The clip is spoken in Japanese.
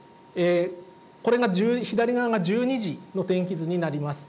これが、左側が１２時の天気図になります。